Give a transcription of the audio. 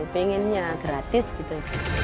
pengennya gratis gitu